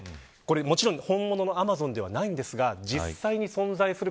もちろん本物のアマゾンではありませんが、実際に存在する